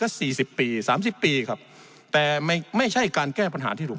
สี่สิบปีสามสิบปีครับแต่ไม่ใช่การแก้ปัญหาที่ถูก